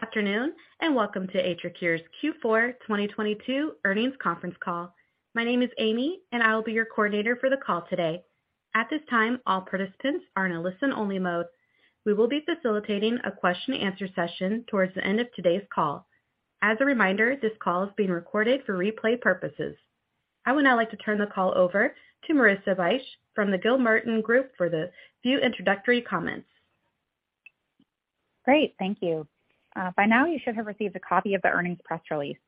Good afternoon, welcome to AtriCure's Q4 2022 earnings conference call. My name is Amy, and I will be your coordinator for the call today. At this time, all participants are in a listen-only mode. We will be facilitating a question-and-answer session towards the end of today's call. As a reminder, this call is being recorded for replay purposes. I would now like to turn the call over to Marissa Bych from the Gilmartin Group for the few introductory comments. Great. Thank you. By now you should have received a copy of the earnings press release.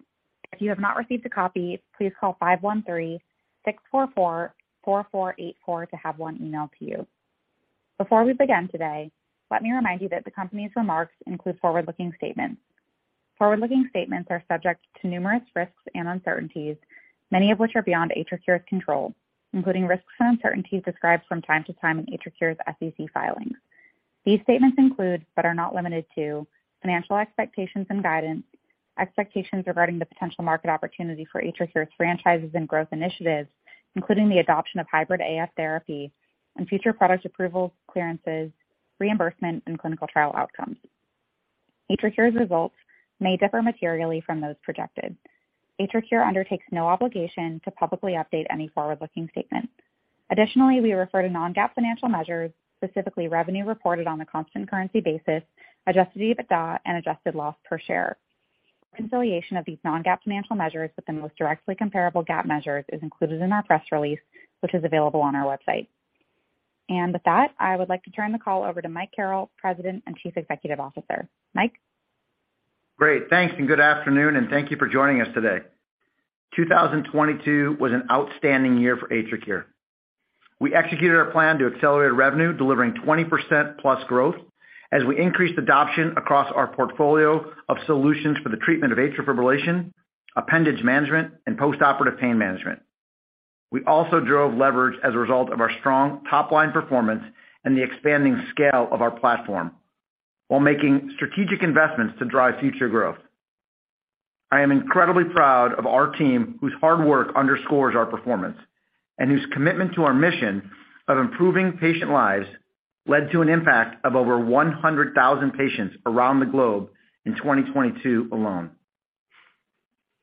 If you have not received a copy, please call 513-644-4484 to have one emailed to you. Before we begin today, let me remind you that the company's remarks include forward-looking statements. Forward-looking statements are subject to numerous risks and uncertainties, many of which are beyond AtriCure's control, including risks and uncertainties described from time to time in AtriCure's SEC filings. These statements include, but are not limited to, financial expectations and guidance, expectations regarding the potential market opportunity for AtriCure's franchises and growth initiatives, including the adoption of Hybrid AF Therapy and future product approvals, clearances, reimbursement, and clinical trial outcomes. AtriCure's results may differ materially from those projected. AtriCure undertakes no obligation to publicly update any forward-looking statement. Additionally, we refer to non-GAAP financial measures, specifically revenue reported on a constant currency basis, adjusted EBITDA, and adjusted loss per share. Reconciliation of these non-GAAP financial measures with the most directly comparable GAAP measures is included in our press release, which is available on our website. With that, I would like to turn the call over to Mike Carrel, President and Chief Executive Officer. Mike? Great. Thanks, and good afternoon, and thank you for joining us today. 2022 was an outstanding year for AtriCure. We executed our plan to accelerate revenue, delivering 20%+ growth as we increased adoption across our portfolio of solutions for the treatment of atrial fibrillation, appendage management, and postoperative pain management. We also drove leverage as a result of our strong top-line performance and the expanding scale of our platform while making strategic investments to drive future growth. I am incredibly proud of our team, whose hard work underscores our performance and whose commitment to our mission of improving patient lives led to an impact of over 100,000 patients around the globe in 2022 alone.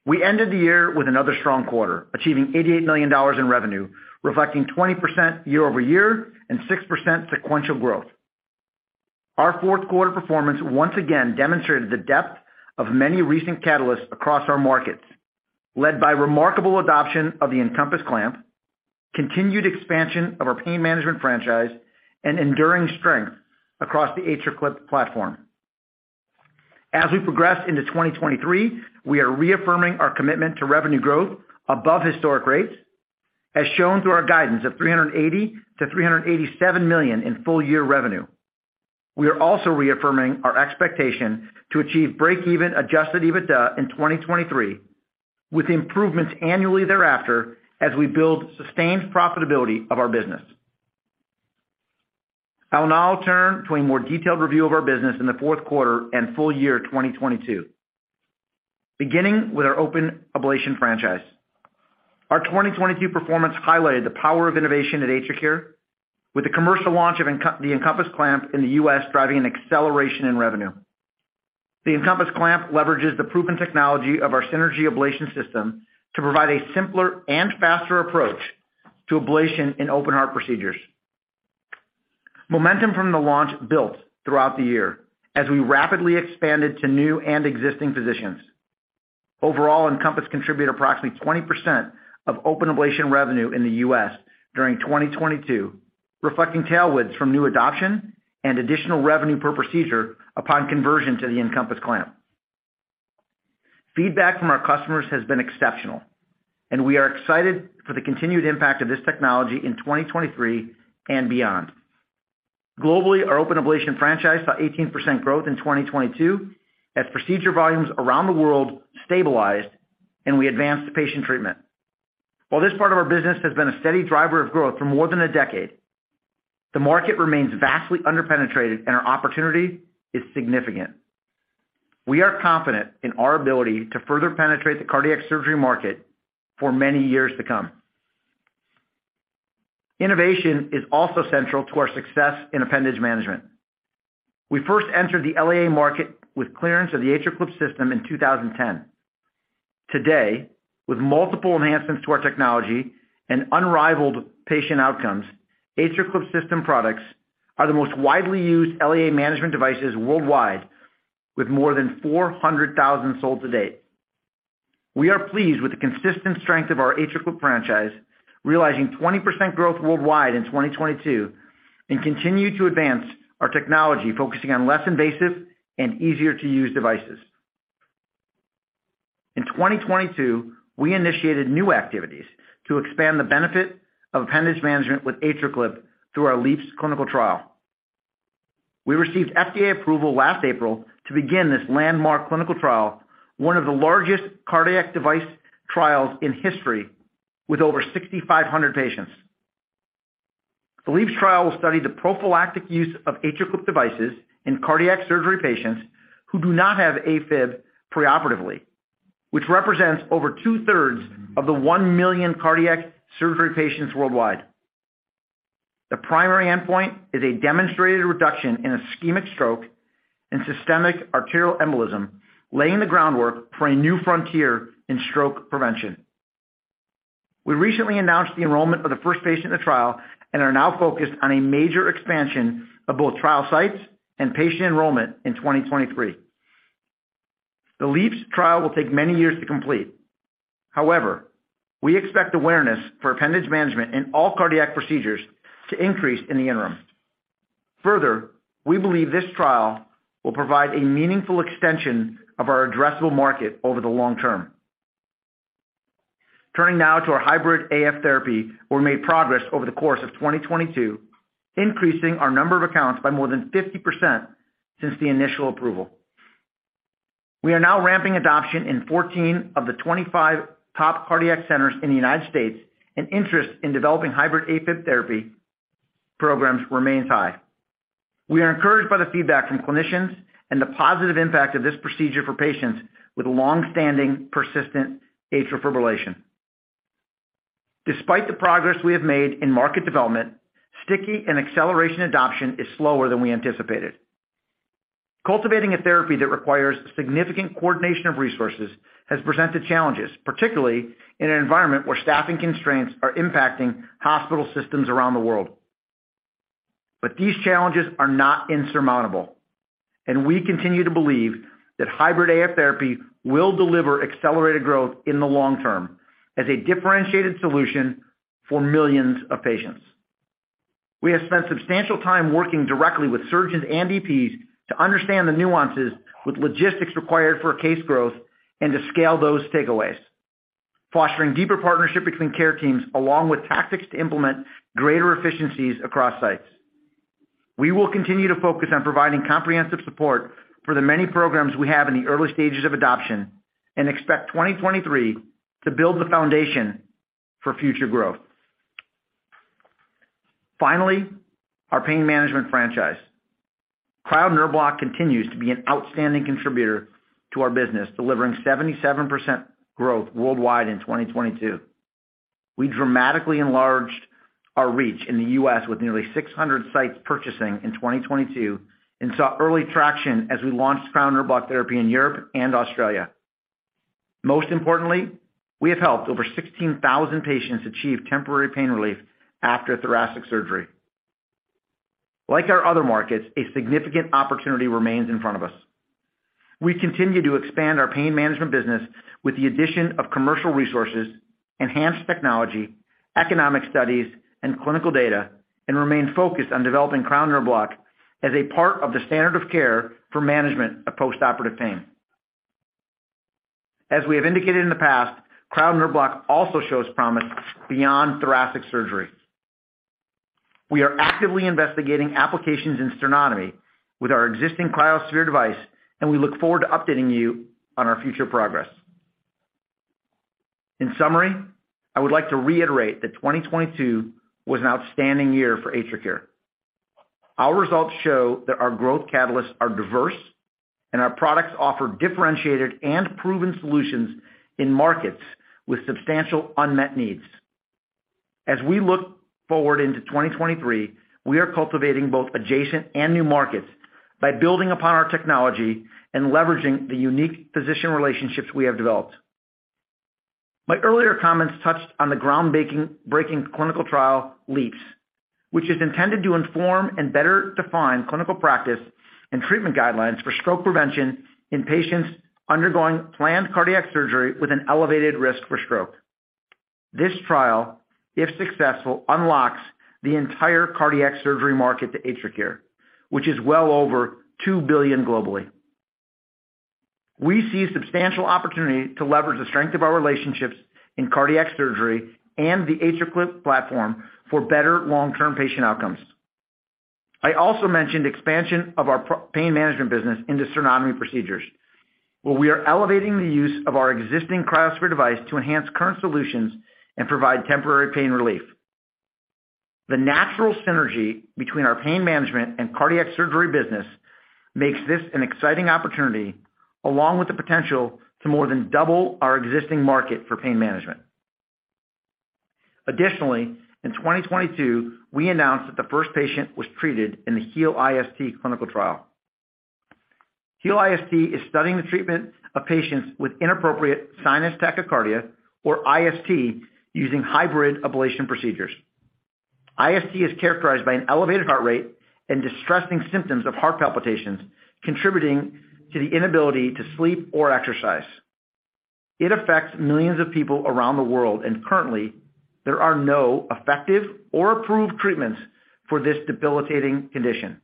We ended the year with another strong quarter, achieving $88 million in revenue, reflecting 20% year-over-year and 6% sequential growth. Our fourth quarter performance once again demonstrated the depth of many recent catalysts across our markets, led by remarkable adoption of the EnCompass Clamp, continued expansion of our pain management franchise, and enduring strength across the AtriClip platform. As we progress into 2023, we are reaffirming our commitment to revenue growth above historic rates, as shown through our guidance of $380 million-$387 million in full year revenue. We are also reaffirming our expectation to achieve break-even adjusted EBITDA in 2023, with improvements annually thereafter as we build sustained profitability of our business. I will now turn to a more detailed review of our business in the fourth quarter and full year 2022. Beginning with our open ablation franchise. Our 2022 performance highlighted the power of innovation at AtriCure with the commercial launch of the EnCompass Clamp in the U.S. Driving an acceleration in revenue. The EnCompass Clamp leverages the proven technology of our Synergy ablation system to provide a simpler and faster approach to ablation in open heart procedures. Momentum from the launch built throughout the year as we rapidly expanded to new and existing physicians. Overall, EnCompass contributed approximately 20% of open ablation revenue in the U.S. during 2022, reflecting tailwinds from new adoption and additional revenue per procedure upon conversion to the EnCompass Clamp. Feedback from our customers has been exceptional, and we are excited for the continued impact of this technology in 2023 and beyond. Globally, our open ablation franchise saw 18% growth in 2022 as procedure volumes around the world stabilized and we advanced patient treatment. While this part of our business has been a steady driver of growth for more than a decade, the market remains vastly under-penetrated and our opportunity is significant. We are confident in our ability to further penetrate the cardiac surgery market for many years to come. Innovation is also central to our success in appendage management. We first entered the LAA market with clearance of the AtriClip system in 2010. Today, with multiple enhancements to our technology and unrivaled patient outcomes, AtriClip system products are the most widely used LAA management devices worldwide with more than 400,000 sold to date. We are pleased with the consistent strength of our AtriClip franchise, realizing 20% growth worldwide in 2022, and continue to advance our technology, focusing on less invasive and easier-to-use devices. In 2022, we initiated new activities to expand the benefit of appendage management with AtriClip through our LEAPS clinical trial. We received FDA approval last April to begin this landmark clinical trial, one of the largest cardiac device trials in history with over 6,500 patients. The LEAPS trial will study the prophylactic use of AtriClip devices in cardiac surgery patients who do not have AFib preoperatively, which represents over two-thirds of the one million cardiac surgery patients worldwide. The primary endpoint is a demonstrated reduction in ischemic stroke and systemic arterial embolism, laying the groundwork for a new frontier in stroke prevention. We recently announced the enrollment of the first patient in the trial and are now focused on a major expansion of both trial sites and patient enrollment in 2023. The LEAPS trial will take many years to complete. We expect awareness for appendage management in all cardiac procedures to increase in the interim. We believe this trial will provide a meaningful extension of our addressable market over the long term. Turning now to our Hybrid AF Therapy, we made progress over the course of 2022, increasing our number of accounts by more than 50% since the initial approval. We are now ramping adoption in 14 of the 25 top cardiac centers in the United States, and interest in developing hybrid AFib therapy programs remains high. We are encouraged by the feedback from clinicians and the positive impact of this procedure for patients with long-standing persistent atrial fibrillation. Despite the progress we have made in market development, sticky and acceleration adoption is slower than we anticipated. Cultivating a therapy that requires significant coordination of resources has presented challenges, particularly in an environment where staffing constraints are impacting hospital systems around the world. These challenges are not insurmountable, and we continue to believe that Hybrid AF Therapy will deliver accelerated growth in the long term as a differentiated solution for millions of patients. We have spent substantial time working directly with surgeons and EPs to understand the nuances with logistics required for case growth and to scale those takeaways, fostering deeper partnership between care teams along with tactics to implement greater efficiencies across sites. We will continue to focus on providing comprehensive support for the many programs we have in the early stages of adoption and expect 2023 to build the foundation for future growth. Finally, our pain management franchise. Cryo Nerve Block continues to be an outstanding contributor to our business, delivering 77% growth worldwide in 2022. We dramatically enlarged our reach in the U.S. with nearly 600 sites purchasing in 2022 and saw early traction as we launched Cryo Nerve Block therapy in Europe and Australia. Most importantly, we have helped over 16,000 patients achieve temporary pain relief after thoracic surgery. Like our other markets, a significant opportunity remains in front of us. We continue to expand our pain management business with the addition of commercial resources, enhanced technology, economic studies, and clinical data, and remain focused on developing Cryo Nerve Block as a part of the standard of care for management of postoperative pain. As we have indicated in the past, Cryo Nerve Block also shows promise beyond thoracic surgery. We are actively investigating applications in sternotomy with our existing cryoSPHERE device. We look forward to updating you on our future progress. In summary, I would like to reiterate that 2022 was an outstanding year for AtriCure. Our results show that our growth catalysts are diverse and our products offer differentiated and proven solutions in markets with substantial unmet needs. We look forward into 2023, we are cultivating both adjacent and new markets by building upon our technology and leveraging the unique physician relationships we have developed. My earlier comments touched on the groundbreaking clinical trial LEAPS, which is intended to inform and better define clinical practice and treatment guidelines for stroke prevention in patients undergoing planned cardiac surgery with an elevated risk for stroke. This trial, if successful, unlocks the entire cardiac surgery market to AtriCure, which is well over $2 billion globally. We see substantial opportunity to leverage the strength of our relationships in cardiac surgery and the AtriClip platform for better long-term patient outcomes. I also mentioned expansion of our pain management business into sternotomy procedures, where we are elevating the use of our existing cryoSPHERE device to enhance current solutions and provide temporary pain relief. The natural synergy between our pain management and cardiac surgery business makes this an exciting opportunity, along with the potential to more than double our existing market for pain management. Additionally, in 2022, we announced that the first patient was treated in the HEAL-IST clinical trial. HEAL-IST is studying the treatment of patients with inappropriate sinus tachycardia, or IST, using hybrid ablation procedures. IST is characterized by an elevated heart rate and distressing symptoms of heart palpitations, contributing to the inability to sleep or exercise. It affects millions of people around the world. Currently, there are no effective or approved treatments for this debilitating condition.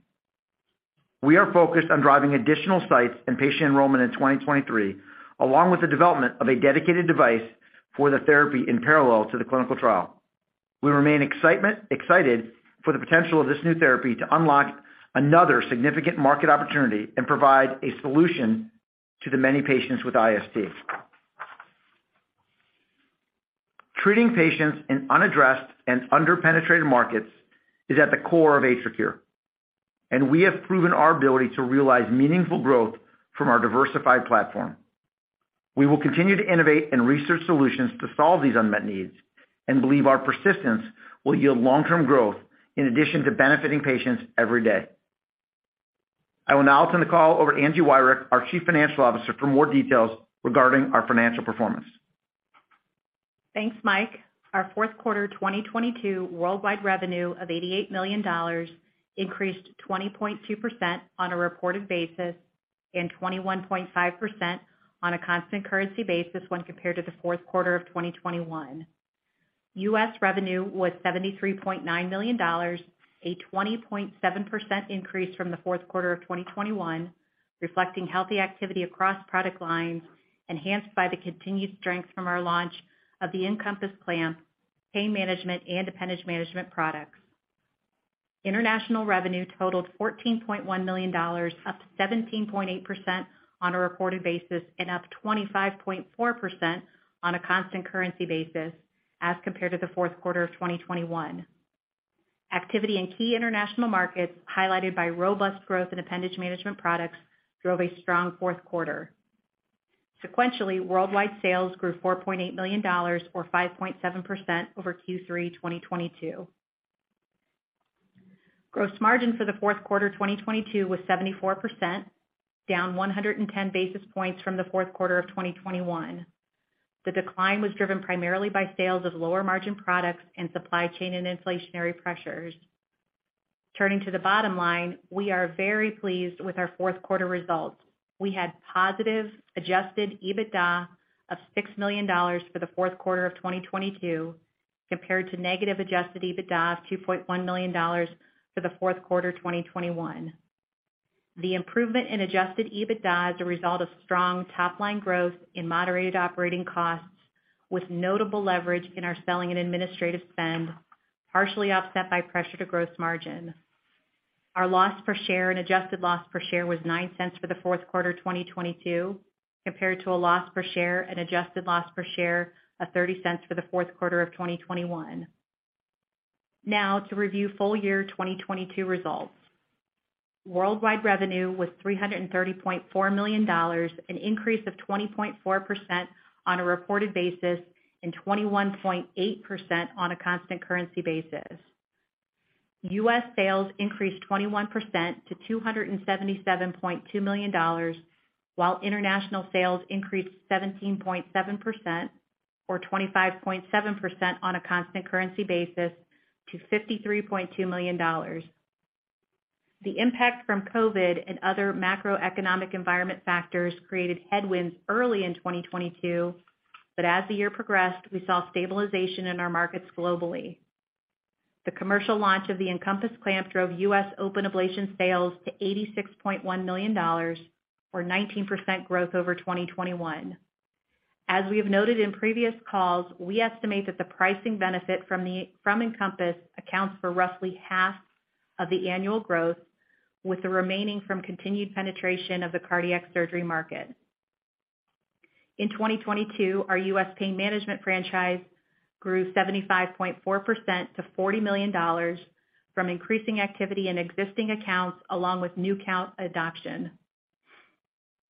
We are focused on driving additional sites and patient enrollment in 2023, along with the development of a dedicated device for the therapy in parallel to the clinical trial. We remain excited for the potential of this new therapy to unlock another significant market opportunity and provide a solution to the many patients with IST. Treating patients in unaddressed and under-penetrated markets is at the core of AtriCure. We have proven our ability to realize meaningful growth from our diversified platform. We will continue to innovate and research solutions to solve these unmet needs and believe our persistence will yield long-term growth in addition to benefiting patients every day. I will now turn the call over to Angie Wirick, our Chief Financial Officer, for more details regarding our financial performance. Thanks, Mike. Our fourth quarter 2022 worldwide revenue of $88 million increased 20.2% on a reported basis and 21.5% on a constant currency basis when compared to the fourth quarter of 2021. U.S. revenue was $73.9 million, a 20.7% increase from the fourth quarter of 2021, reflecting healthy activity across product lines, enhanced by the continued strength from our launch of the EnCompass Clamp, pain management and appendage management products. International revenue totaled $14.1 million, up 17.8% on a reported basis and up 25.4% on a constant currency basis as compared to the fourth quarter of 2021. Activity in key international markets, highlighted by robust growth in appendage management products, drove a strong fourth quarter. Sequentially, worldwide sales grew $4.8 million or 5.7% over Q3 2022. Gross margin for the fourth quarter 2022 was 74%, down 110 basis points from the fourth quarter of 2021. The decline was driven primarily by sales of lower margin products and supply chain and inflationary pressures. Turning to the bottom line, we are very pleased with our fourth quarter results. We had positive adjusted EBITDA of $6 million for the fourth quarter of 2022 compared to negative adjusted EBITDA of $2.1 million for the fourth quarter 2021. The improvement in adjusted EBITDA is a result of strong top line growth in moderated operating costs with notable leverage in our selling and administrative spend, partially offset by pressure to gross margin. Our loss per share and adjusted loss per share was $0.09 for the fourth quarter 2022 compared to a loss per share and adjusted loss per share of $0.30 for the fourth quarter of 2021. Now to review full year 2022 results. Worldwide revenue was $330.4 million, an increase of 20.4% on a reported basis and 21.8% on a constant currency basis. U.S. sales increased 21%-$277.2 million, while international sales increased 17.7% or 25.7% on a constant currency basis to $53.2 million. The impact from COVID and other macroeconomic environment factors created headwinds early in 2022, but as the year progressed, we saw stabilization in our markets globally. The commercial launch of the EnCompass Clamp drove U.S. open ablation sales to $86.1 million or 19% growth over 2021. As we have noted in previous calls, we estimate that the pricing benefit from EnCompass accounts for roughly half of the annual growth with the remaining from continued penetration of the cardiac surgery market. In 2022, our U.S. pain management franchise grew 75.4%-40 million from increasing activity in existing accounts along with new count adoption.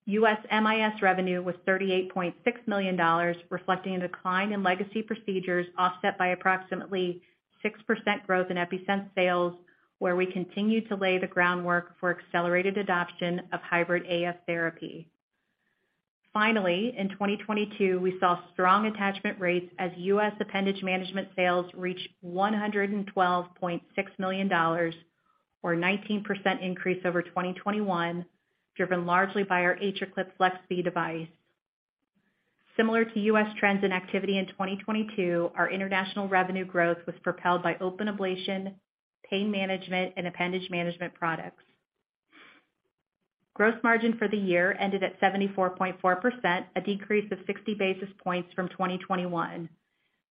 U.S. MIS revenue was $38.6 million, reflecting a decline in legacy procedures offset by approximately 6% growth in EPi-Sense sales, where we continue to lay the groundwork for accelerated adoption of Hybrid AF Therapy. Finally, in 2022, we saw strong attachment rates as U.S. appendage management sales reached $112.6 million or 19% increase over 2021, driven largely by our AtriClip FLEX·V device. Similar to U.S. trends and activity in 2022, our international revenue growth was propelled by open ablation, pain management and appendage management products. Gross margin for the year ended at 74.4%, a decrease of 60 basis points from 2021.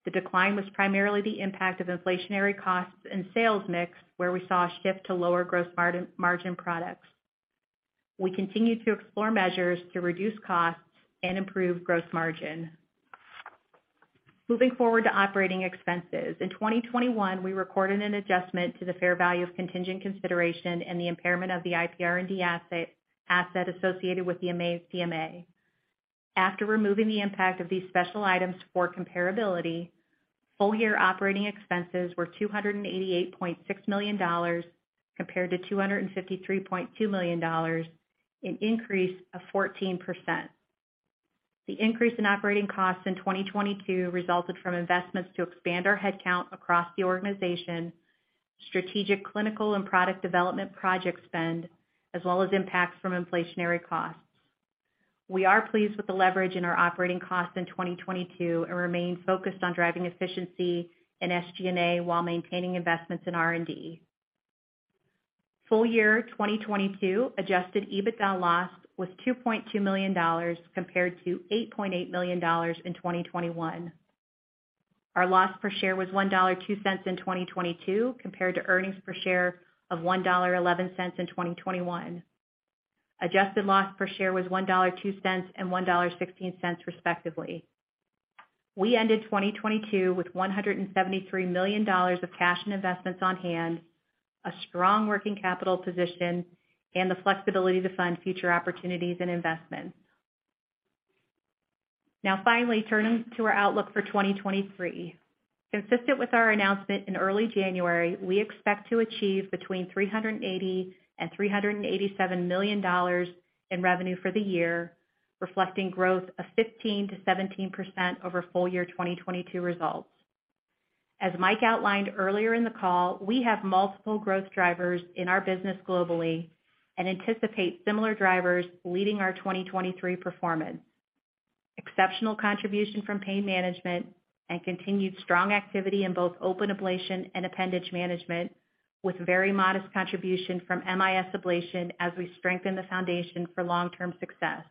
The decline was primarily the impact of inflationary costs and sales mix, where we saw a shift to lower gross margin products. We continue to explore measures to reduce costs and improve gross margin. Moving forward to operating expenses. In 2021, we recorded an adjustment to the fair value of contingent consideration and the impairment of the IPR&D asset associated with the aMAZE. After removing the impact of these special items for comparability, full-year operating expenses were $288.6 million compared to $253.2 million, an increase of 14%. The increase in operating costs in 2022 resulted from investments to expand our headcount across the organization, strategic clinical and product development project spend, as well as impacts from inflationary costs. We are pleased with the leverage in our operating costs in 2022 and remain focused on driving efficiency and SG&A while maintaining investments in R&D. Full year 2022 adjusted EBITDA loss was $2.2 million compared to $8.8 million in 2021. Our loss per share was $1.02 in 2022 compared to earnings per share of $1.11 in 2021. Adjusted loss per share was $1.02 and $1.16, respectively. We ended 2022 with $173 million of cash and investments on hand, a strong working capital position, and the flexibility to fund future opportunities and investments. Finally, turning to our outlook for 2023. Consistent with our announcement in early January, we expect to achieve between $380 million and $387 million in revenue for the year, reflecting growth of 15%-17% over full year 2022 results. As Mike outlined earlier in the call, we have multiple growth drivers in our business globally and anticipate similar drivers leading our 2023 performance. Exceptional contribution from pain management and continued strong activity in both open ablation and appendage management, with very modest contribution from MIS ablation as we strengthen the foundation for long-term success.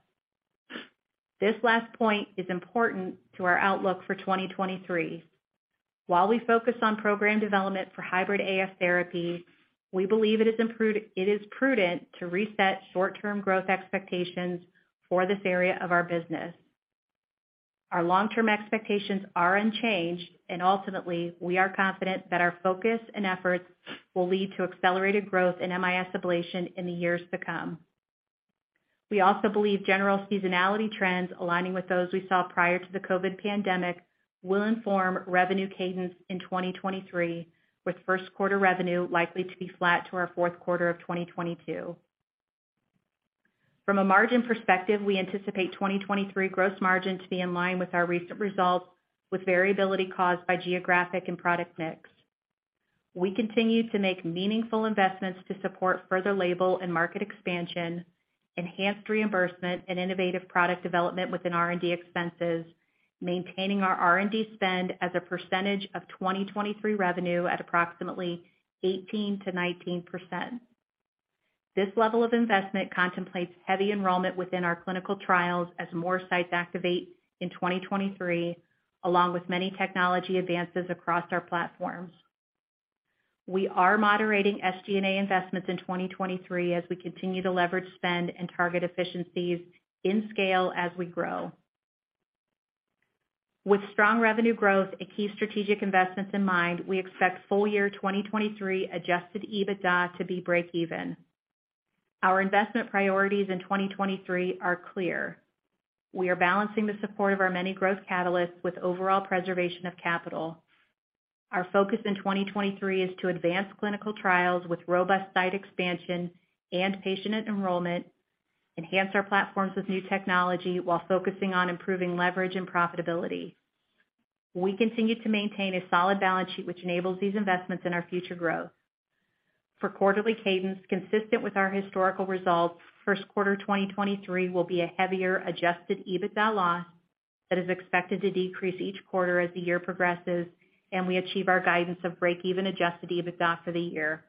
This last point is important to our outlook for 2023. While we focus on program development for Hybrid AF Therapy, we believe it is prudent to reset short-term growth expectations for this area of our business. Our long-term expectations are unchanged, ultimately, we are confident that our focus and efforts will lead to accelerated growth in MIS ablation in the years to come. We also believe general seasonality trends aligning with those we saw prior to the COVID pandemic will inform revenue cadence in 2023, with first quarter revenue likely to be flat to our fourth quarter of 2022. From a margin perspective, we anticipate 2023 gross margin to be in line with our recent results, with variability caused by geographic and product mix. We continue to make meaningful investments to support further label and market expansion, enhanced reimbursement and innovative product development within R&D expenses, maintaining our R&D spend as a percentage of 2023 revenue at approximately 18%-19%. This level of investment contemplates heavy enrollment within our clinical trials as more sites activate in 2023, along with many technology advances across our platforms. We are moderating SG&A investments in 2023 as we continue to leverage spend and target efficiencies in scale as we grow. With strong revenue growth and key strategic investments in mind, we expect full year 2023 adjusted EBITDA to be break even. Our investment priorities in 2023 are clear. We are balancing the support of our many growth catalysts with overall preservation of capital. Our focus in 2023 is to advance clinical trials with robust site expansion and patient enrollment, enhance our platforms with new technology while focusing on improving leverage and profitability. We continue to maintain a solid balance sheet which enables these investments in our future growth. For quarterly cadence consistent with our historical results, first quarter 2023 will be a heavier adjusted EBITDA loss that is expected to decrease each quarter as the year progresses and we achieve our guidance of break-even adjusted EBITDA for the year.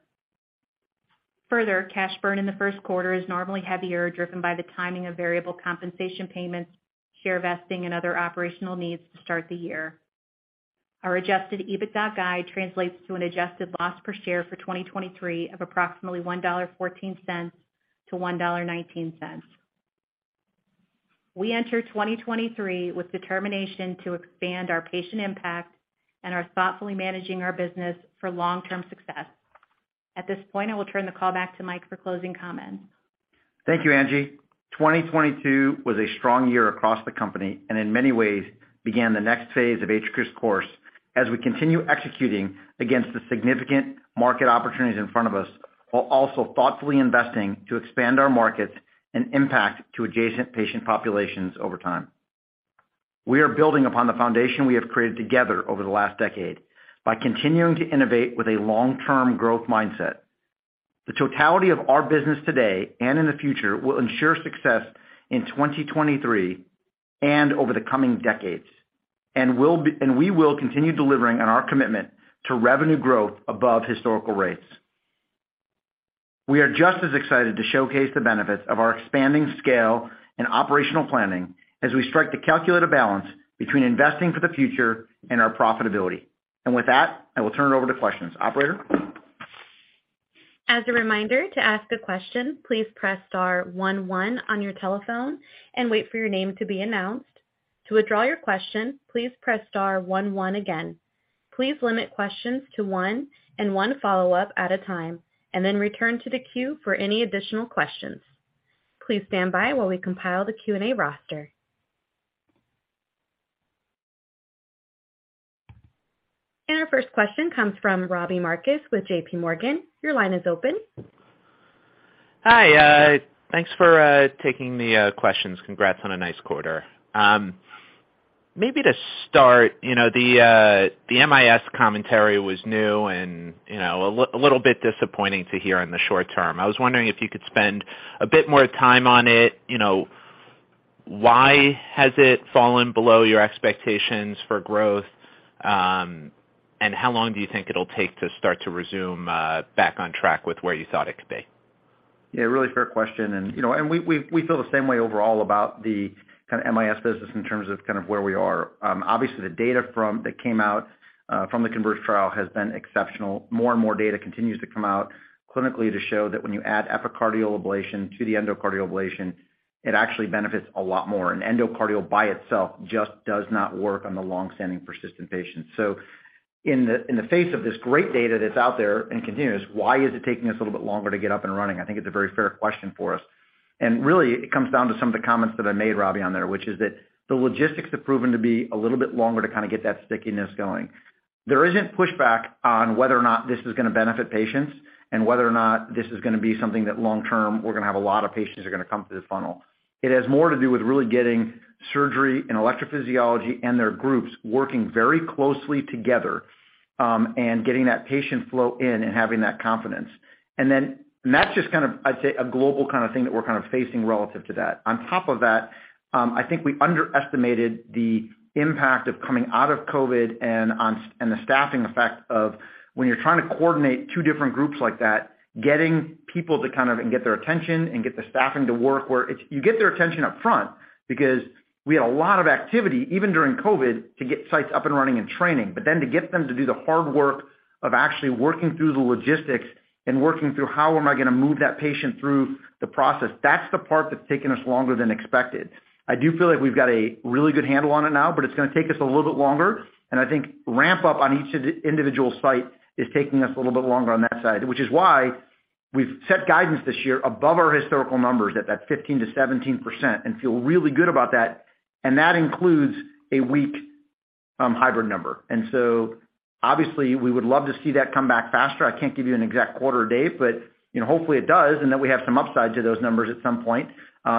Cash burn in the first quarter is normally heavier, driven by the timing of variable compensation payments, share vesting and other operational needs to start the year. Our adjusted EBITDA guide translates to an adjusted loss per share for 2023 of approximately $1.14-$1.19. We enter 2023 with determination to expand our patient impact and are thoughtfully managing our business for long-term success. At this point, I will turn the call back to Mike for closing comments. Thank you, Angie. 2022 was a strong year across the company and in many ways began the next phase of AtriCure's course as we continue executing against the significant market opportunities in front of us, while also thoughtfully investing to expand our markets and impact to adjacent patient populations over time. We are building upon the foundation we have created together over the last decade by continuing to innovate with a long-term growth mindset. The totality of our business today and in the future will ensure success in 2023 and over the coming decades. We will continue delivering on our commitment to revenue growth above historical rates. We are just as excited to showcase the benefits of our expanding scale and operational planning as we strike the calculated balance between investing for the future and our profitability. With that, I will turn it over to questions. Operator? As a reminder, to ask a question, please press star one one on your telephone and wait for your name to be announced. To withdraw your question, please press star one one again. Please limit questions to one and one follow-up at a time, and then return to the queue for any additional questions. Please stand by while we compile the Q&A roster. Our first question comes from Robbie Marcus with JPMorgan. Your line is open. Hi. Thanks for taking the questions. Congrats on a nice quarter. Maybe to start, you know, the MIS commentary was new and, you know, a little bit disappointing to hear in the short term. I was wondering if you could spend a bit more time on it. You know, why has it fallen below your expectations for growth? How long do you think it'll take to start to resume back on track with where you thought it could be? Yeah, really fair question. You know, we feel the same way overall about the kind of MIS business in terms of kind of where we are. Obviously, the data that came out from the CONVERGE trial has been exceptional. More and more data continues to come out clinically to show that when you add epicardial ablation to the endocardial ablation, it actually benefits a lot more. Endocardial by itself just does not work on the long-standing persistent patients. In the, in the face of this great data that's out there and continuous, why is it taking us a little bit longer to get up and running? I think it's a very fair question for us. It comes down to some of the comments that I made, Robbie, on there, which is that the logistics have proven to be a little bit longer to kind of get that stickiness going. There isn't pushback on whether or not this is going to benefit patients and whether or not this is going to be something that long term, we're going to have a lot of patients are going to come through the funnel. It has more to do with really getting surgery and electrophysiology and their groups working very closely together, and getting that patient flow in and having that confidence. That's just kind of, I'd say, a global kind of thing that we're kind of facing relative to that. On top of that, I think we underestimated the impact of coming out of COVID and the staffing effect of when you're trying to coordinate two different groups like that, getting people to kind of get their attention and get the staffing to work where you get their attention up front because we had a lot of activity, even during COVID, to get sites up and running and training. To get them to do the hard work of actually working through the logistics and working through how am I going to move that patient through the process, that's the part that's taken us longer than expected. I do feel like we've got a really good handle on it now, but it's going to take us a little bit longer. I think ramp up on each of the individual site is taking us a little bit longer on that side, which is why we've set guidance this year above our historical numbers at that 15%-17% and feel really good about that. That includes a weak Hybrid number. Obviously, we would love to see that come back faster. I can't give you an exact quarter date, but you know, hopefully it does, and that we have some upside to those numbers at some point,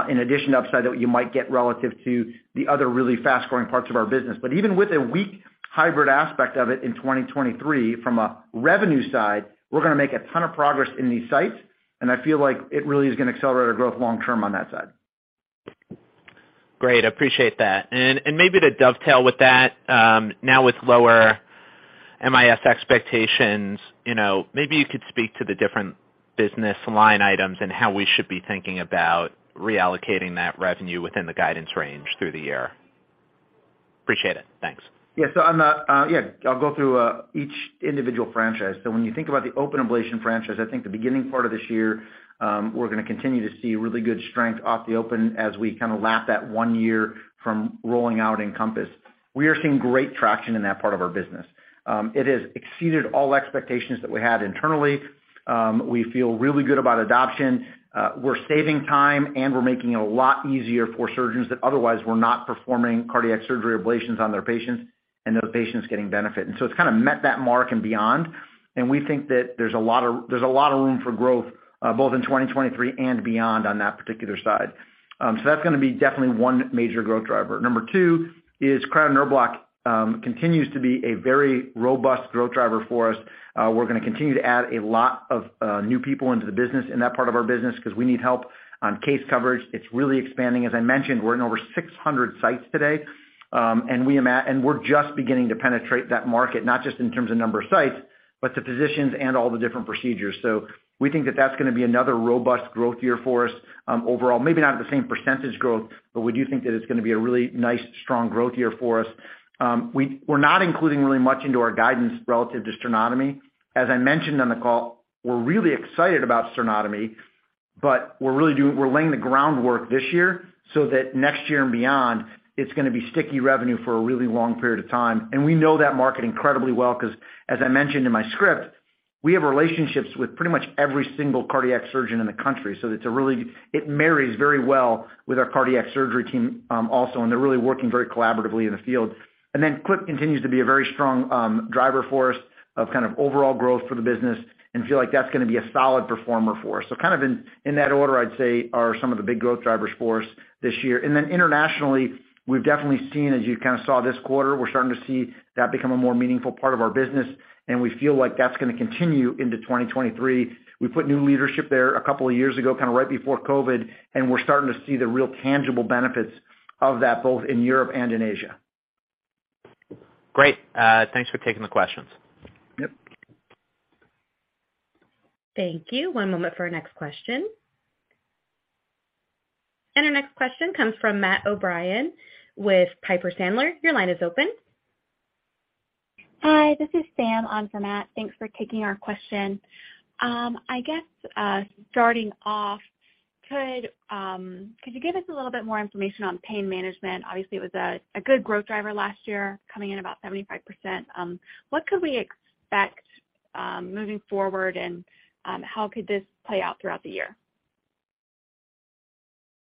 in addition to upside that you might get relative to the other really fast-growing parts of our business. Even with a weak hybrid aspect of it in 2023, from a revenue side, we're going to make a ton of progress in these sites, and I feel like it really is going to accelerate our growth long term on that side. Great. Appreciate that. Maybe to dovetail with that, now with lower MIS expectations, you know, maybe you could speak to the different business line items and how we should be thinking about reallocating that revenue within the guidance range through the year. Appreciate it. Thanks. On the, I'll go through each individual franchise. When you think about the open ablation franchise, I think the beginning part of this year, we're going to continue to see really good strength off the open as we kind of lap that one year from rolling out EnCompass. We are seeing great traction in that part of our business. It has exceeded all expectations that we had internally. We feel really good about adoption. We're saving time, and we're making it a lot easier for surgeons that otherwise were not performing cardiac surgery ablations on their patients and those patients getting benefit. It's kind of met that mark and beyond. We think that there's a lot of room for growth, both in 2023 and beyond on that particular side. So that's going to be definitely one major growth driver. Number two is Cryo Nerve Block continues to be a very robust growth driver for us. We're going to continue to add a lot of new people into the business in that part of our business because we need help on case coverage. It's really expanding. As I mentioned, we're in over 600 sites today, and we're just beginning to penetrate that market, not just in terms of number of sites, but the physicians and all the different procedures. We think that that's going to be another robust growth year for us, overall, maybe not at the same percentage growth, but we do think that it's going to be a really nice, strong growth year for us. We're not including really much into our guidance relative to sternotomy. As I mentioned on the call, we're really excited about sternotomy, but we're really we're laying the groundwork this year so that next year and beyond, it's going to be sticky revenue for a really long period of time. We know that market incredibly well because as I mentioned in my script, we have relationships with pretty much every single cardiac surgeon in the country. It marries very well with our cardiac surgery team, also, and they're really working very collaboratively in the field. Clip continues to be a very strong driver for us of kind of overall growth for the business and feel like that's going to be a solid performer for us. Kind of in that order, I'd say are some of the big growth drivers for us this year. Internationally, we've definitely seen, as you kind of saw this quarter, we're starting to see that become a more meaningful part of our business, and we feel like that's going to continue into 2023. We put new leadership there a couple of years ago, kind of right before COVID, and we're starting to see the real tangible benefits of that, both in Europe and in Asia. Great. Thanks for taking the questions. Yep. Thank you. One moment for our next question. Our next question comes from Matthew O'Brien with Piper Sandler. Your line is open. Hi, this is Sam on for Matt. Thanks for taking our question. I guess, starting off, could you give us a little bit more information on pain management? Obviously, it was a good growth driver last year, coming in about 75%. What could we expect moving forward and how could this play out throughout the year?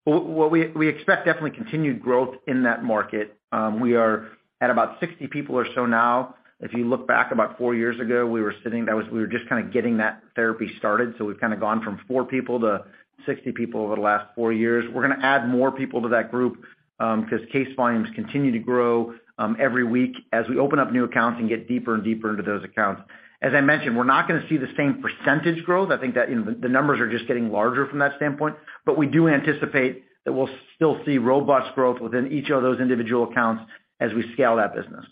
Well, we expect definitely continued growth in that market. We are at about 60 people or so now. If you look back about four years ago, we were just kind of getting that therapy started. We've kind of gone from four people to 60 people over the last four years. We're going to add more people to that group, because case volumes continue to grow every week as we open up new accounts and get deeper and deeper into those accounts. As I mentioned, we're not going to see the same percentage growth. I think that, you know, the numbers are just getting larger from that standpoint. We do anticipate that we'll still see robust growth within each of those individual accounts as we scale that business.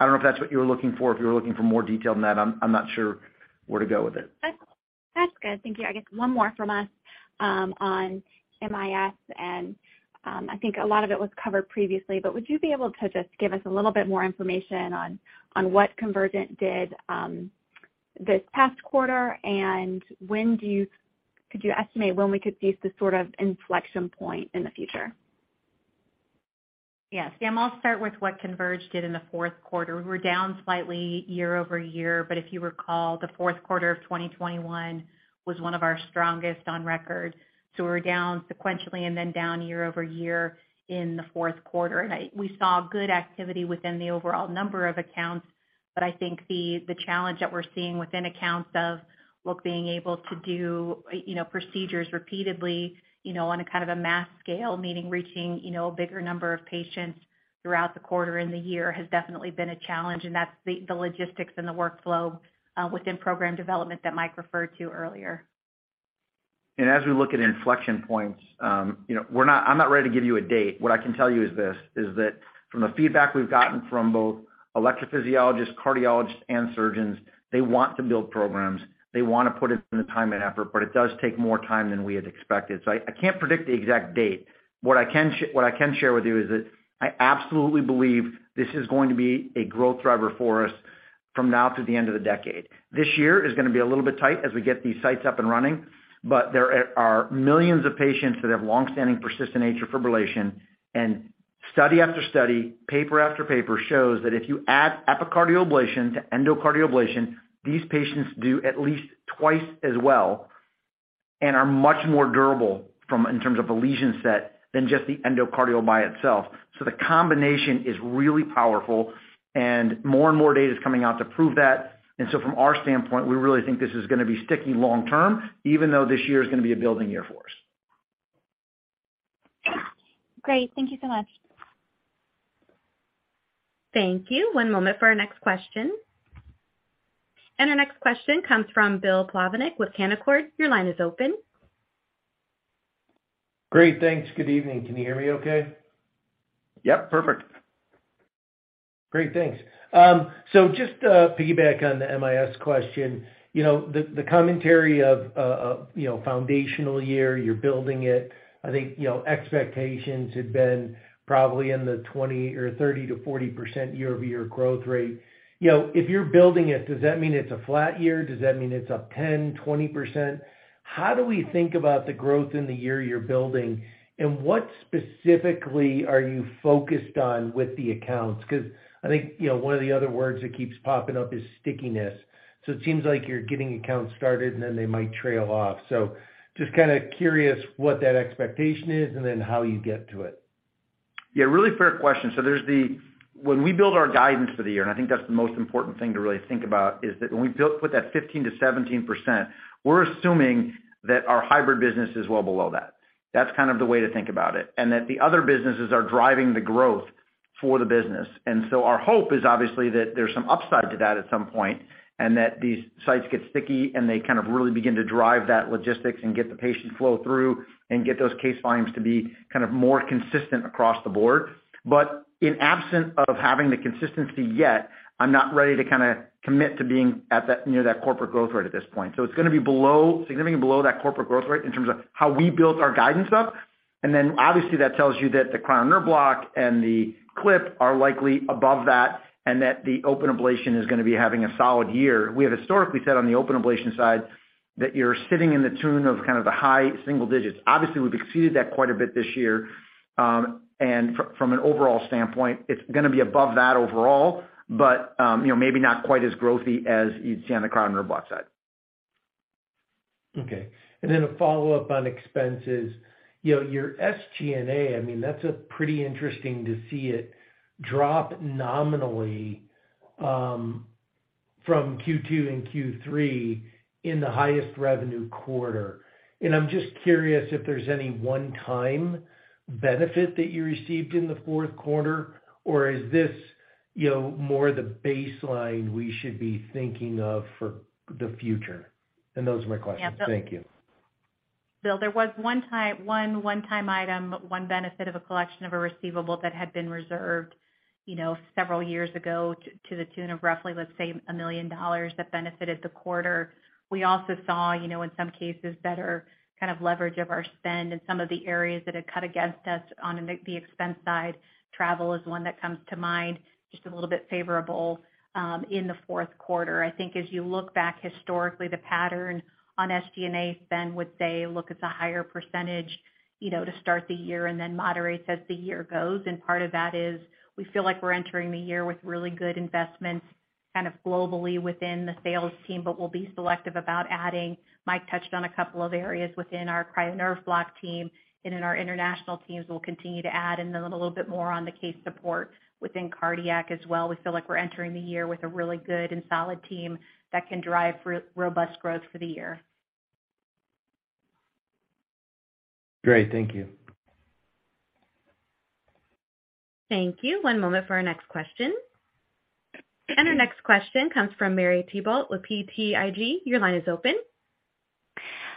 I don't know if that's what you were looking for. If you were looking for more detail than that, I'm not sure where to go with it. That's good. Thank you. I guess one more from us, on MIS, and I think a lot of it was covered previously, but would you be able to just give us a little bit more information on what Convergent did this past quarter, and when could you estimate when we could see the sort of inflection point in the future? Sam, I'll start with what CONVERGE did in the fourth quarter. We're down slightly year-over-year, but if you recall, the fourth quarter of 2021 was one of our strongest on record. We're down sequentially and then down year-over-year in the fourth quarter. We saw good activity within the overall number of accounts. I think the challenge that we're seeing within accounts of, look, being able to do, you know, procedures repeatedly, you know, on a kind of a mass scale, meaning reaching, you know, a bigger number of patients throughout the quarter and the year has definitely been a challenge, and that's the logistics and the workflow within program development that Mike referred to earlier. As we look at inflection points, you know, I'm not ready to give you a date. What I can tell you is this, is that from the feedback we've gotten from both electrophysiologists, cardiologists, and surgeons, they want to build programs. They wanna put in the time and effort, but it does take more time than we had expected. I can't predict the exact date. What I can share with you is that I absolutely believe this is going to be a growth driver for us from now to the end of the decade. This year is gonna be a little bit tight as we get these sites up and running, but there are millions of patients that have long-standing persistent atrial fibrillation. Study after study, paper after paper shows that if you add epicardial ablation to endocardial ablation, these patients do at least twice as well and are much more durable from in terms of a lesion set than just the endocardial by itself. The combination is really powerful, and more and more data is coming out to prove that. From our standpoint, we really think this is gonna be sticky long term, even though this year is gonna be a building year for us. Great. Thank you so much. Thank you. One moment for our next question. Our next question comes from Bill Plovanic with Canaccord. Your line is open. Great, thanks. Good evening. Can you hear me okay? Yep, perfect. Great, thanks. Just to piggyback on the MIS question. The commentary of a, you know, foundational year, you're building it. I think, you know, expectations had been probably in the 20% or 30%-40% year-over-year growth rate. If you're building it, does that mean it's a flat year? Does that mean it's up 10%, 20%? How do we think about the growth in the year you're building? What specifically are you focused on with the accounts? I think, you know, one of the other words that keeps popping up is stickiness. It seems like you're getting accounts started and then they might trail off. Just kinda curious what that expectation is and then how you get to it. Yeah, really fair question. There's When we build our guidance for the year, I think that's the most important thing to really think about, is that when we put that 15%-17%, we're assuming that our hybrid business is well below that. That's kind of the way to think about it, and that the other businesses are driving the growth for the business. Our hope is obviously that there's some upside to that at some point, and that these sites get sticky, and they kind of really begin to drive that logistics and get the patient flow through and get those case volumes to be kind of more consistent across the board. In absent of having the consistency yet, I'm not ready to kind of commit to being at that, you know, that corporate growth rate at this point. It's gonna be below, significantly below that corporate growth rate in terms of how we build our guidance up. Obviously that tells you that the Cryo Nerve Block and the AtriClip are likely above that, and that the open ablation is gonna be having a solid year. We have historically said on the open ablation side that you're sitting in the tune of kind of the high single digits. Obviously, we've exceeded that quite a bit this year. From an overall standpoint, it's gonna be above that overall, but, you know, maybe not quite as growthy as you'd see on the Cryo Nerve Block side. Okay. A follow-up on expenses. You know, your SG&A, I mean, that's pretty interesting to see it drop nominally from Q2 and Q3 in the highest revenue quarter. I'm just curious if there's any one-time benefit that you received in the fourth quarter, or is this, you know, more the baseline we should be thinking of for the future? Those are my questions. Thank you. Bill, there was one one-time item, one benefit of a collection of a receivable that had been reserved, you know, several years ago to the tune of roughly, let's say, $1 million that benefited the quarter. We also saw, you know, in some cases better kind of leverage of our spend in some of the areas that had cut against us on the expense side. Travel is one that comes to mind, just a little bit favorable in the fourth quarter. I think as you look back historically, the pattern on SG&A spend would say, look, it's a higher % you know, to start the year and then moderates as the year goes. Part of that is we feel like we're entering the year with really good investments kind of globally within the sales team, but we'll be selective about adding. Mike touched on a couple of areas within our Cryo Nerve Block team and in our international teams. We'll continue to add and then a little bit more on the case support within cardiac as well. We feel like we're entering the year with a really good and solid team that can drive robust growth for the year. Great. Thank you. Thank you. One moment for our next question. Our next question comes from Marie Thibault with BTIG. Your line is open.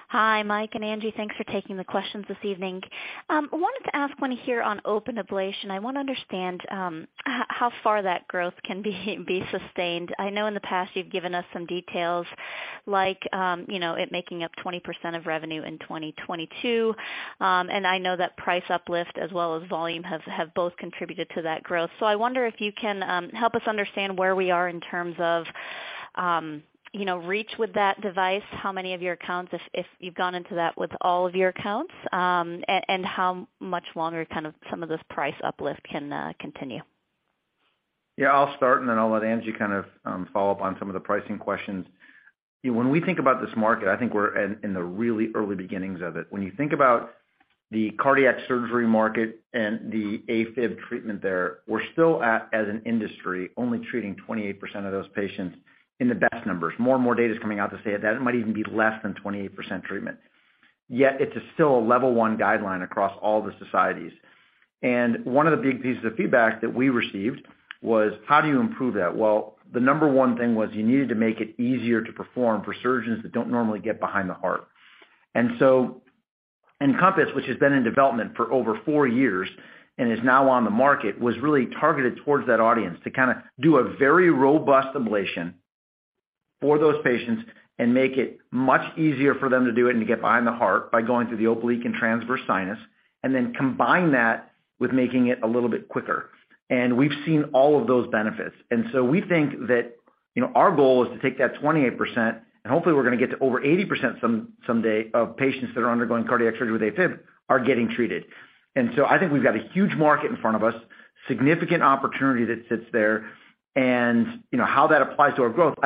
Hi, Mike and Angie. Thanks for taking the questions this evening. I wanted to ask one here on open ablation. I want to understand how far that growth can be sustained. I know in the past you've given us some details like, you know, it making up 20% of revenue in 2022. I know that price uplift as well as volume have both contributed to that growth. I wonder if you can help us understand where we are in terms of, you know, reach with that device, how many of your accounts, if you've gone into that with all of your accounts, and how much longer kind of some of this price uplift can continue? I'll start, and then I'll let Angie kind of follow up on some of the pricing questions. When we think about this market, I think we're in the really early beginnings of it. When you think about the cardiac surgery market and the AFib treatment there, we're still at, as an industry, only treating 28% of those patients in the best numbers. More and more data is coming out to say that it might even be less than 28% treatment. Yet it is still a level one guideline across all the societies. One of the big pieces of feedback that we received was, how do you improve that? Well, the number one thing was you needed to make it easier to perform for surgeons that don't normally get behind the heart. EnCompass, which has been in development for over four years and is now on the market, was really targeted towards that audience to kind of do a very robust ablation for those patients and make it much easier for them to do it and to get behind the heart by going through the oblique and transverse sinus, and then combine that with making it a little bit quicker. We've seen all of those benefits. We think that, you know, our goal is to take that 28%, and hopefully we're going to get to over 80% some, someday, of patients that are undergoing cardiac surgery with AFib are getting treated. I think we've got a huge market in front of us, significant opportunity that sits there. You know, how that applies to our growth,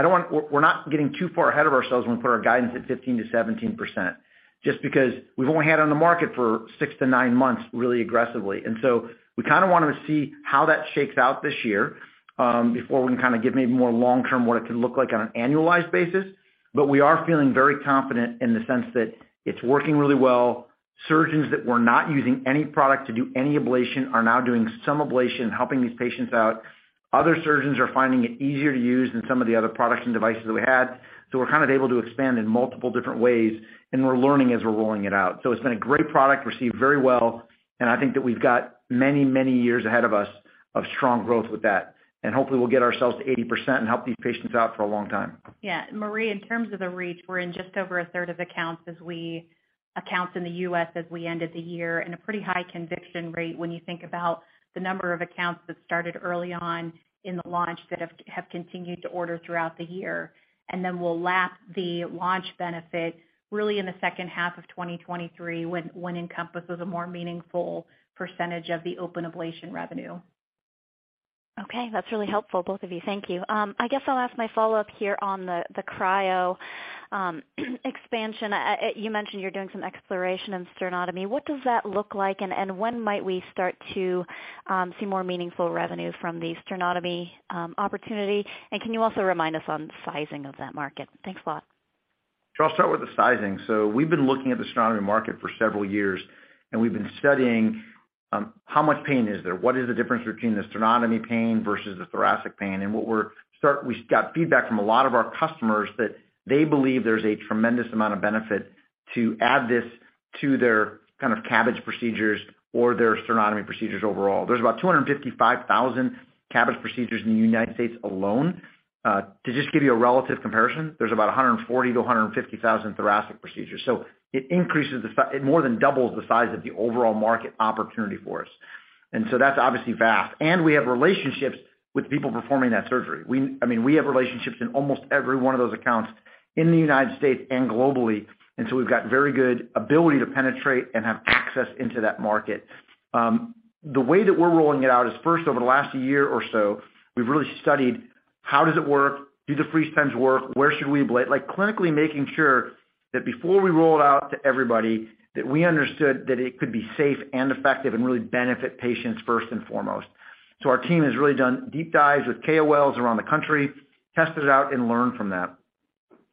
we're not getting too far ahead of ourselves when we put our guidance at 15%-17%, just because we've only had it on the market for six to nine months really aggressively. We kind of wanted to see how that shakes out this year, before we can kind of give maybe more long-term what it could look like on an annualized basis. We are feeling very confident in the sense that it's working really well. Surgeons that were not using any product to do any ablation are now doing some ablation, helping these patients out. Other surgeons are finding it easier to use than some of the other products and devices that we had. We're kind of able to expand in multiple different ways, and we're learning as we're rolling it out. It's been a great product, received very well, and I think that we've got many, many years ahead of us of strong growth with that. Hopefully we'll get ourselves to 80% and help these patients out for a long time. Yeah. Marie, in terms of the reach, we're in just over a third of accounts in the U.S. as we ended the year and a pretty high conviction rate when you think about the number of accounts that started early on in the launch that have continued to order throughout the year. We'll lap the launch benefit really in the second half of 2023 when EnCompass is a more meaningful percentage of the open ablation revenue. Okay. That's really helpful, both of you. Thank you. I guess I'll ask my follow-up here on the cryo expansion. You mentioned you're doing some exploration in sternotomy. What does that look like? When might we start to see more meaningful revenue from the sternotomy opportunity? Can you also remind us on the sizing of that market? Thanks a lot. I'll start with the sizing. We've been looking at the sternotomy market for several years, and we've been studying, how much pain is there? What is the difference between the sternotomy pain versus the thoracic pain? We got feedback from a lot of our customers that they believe there's a tremendous amount of benefit to add this to their kind of CABG procedures or their sternotomy procedures overall. There's about 255,000 CABG procedures in the United States alone. To just give you a relative comparison, there's about 140,000-150,000 thoracic procedures. It increases it more than doubles the size of the overall market opportunity for us. That's obviously vast. We have relationships with people performing that surgery. We, I mean, we have relationships in almost every one of those accounts in the United States and globally, and so we've got very good ability to penetrate and have access into that market. The way that we're rolling it out is first, over the last year or so, we've really studied how does it work? Do the freeze times work? Where should we like, clinically making sure that before we roll it out to everybody, that we understood that it could be safe and effective and really benefit patients first and foremost. Our team has really done deep dives with KOLs around the country, test it out and learn from that.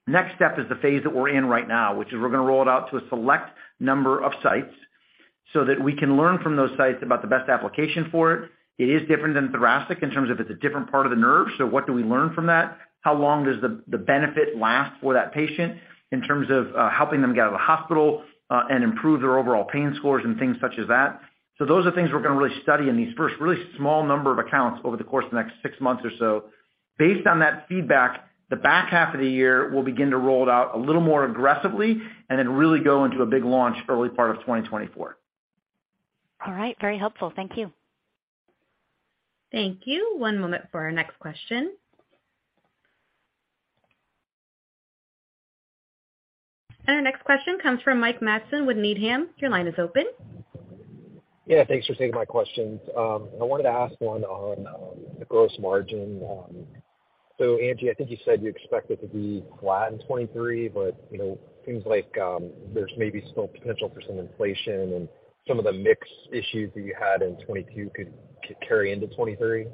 Next step is the phase that we're in right now, which is we're going to roll it out to a select number of sites so that we can learn from those sites about the best application for it. It is different than thoracic in terms of it's a different part of the nerve. What do we learn from that? How long does the benefit last for that patient in terms of helping them get out of the hospital and improve their overall pain scores and things such as that? Those are things we're going to really study in these first really small number of accounts over the course of the next six months or so. Based on that feedback, the back half of the year, we'll begin to roll it out a little more aggressively and then really go into a big launch early part of 2024. All right. Very helpful. Thank you. Thank you. One moment for our next question. Our next question comes from Mike Matson with Needham & Company. Your line is open. Thanks for taking my questions. I wanted to ask one on the gross margin. Angie, I think you said you expect it to be flat in 23, but, you know, seems like there's maybe still potential for some inflation and some of the mix issues that you had in 22 could carry into 23.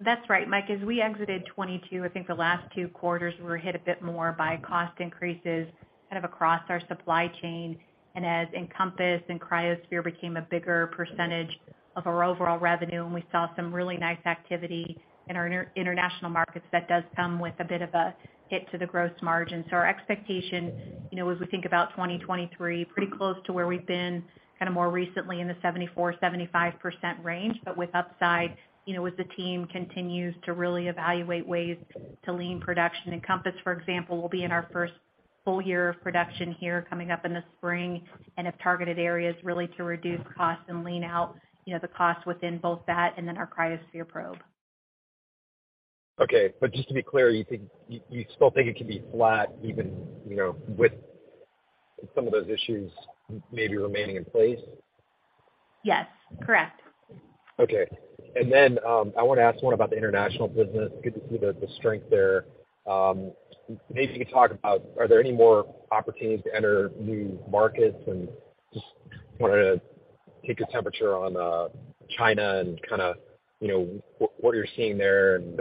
That's right, Mike. As we exited 2022, I think the last two quarters were hit a bit more by cost increases kind of across our supply chain. As EnCompass and cryoSPHERE became a bigger percentage of our overall revenue, and we saw some really nice activity in our inter-international markets, that does come with a bit of a hit to the gross margin. Our expectation, you know, as we think about 2023, pretty close to where we've been kinda more recently in the 74%-75% range, but with upside, you know, as the team continues to really evaluate ways to lean production. EnCompass, for example, will be in our first. Full year production here coming up in the spring and have targeted areas really to reduce costs and lean out, you know, the cost within both that and then our cryoSPHERE probe. Okay. just to be clear, you still think it could be flat even, you know, with some of those issues remaining in place? Yes. Correct. I wanna ask one about the international business. Good to see the strength there. Maybe you could talk about are there any more opportunities to enter new markets? Just wanna take a temperature on China and kinda, you know, what you're seeing there and,